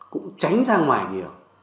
cũng tránh ra ngoài nhiều